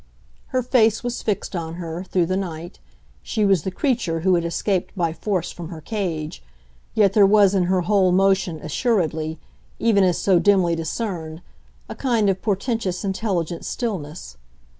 Her face was fixed on her, through the night; she was the creature who had escaped by force from her cage, yet there was in her whole motion assuredly, even as so dimly discerned, a kind of portentous intelligent stillness.